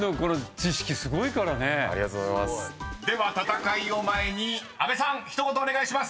［では戦いを前に阿部さん一言お願いします！］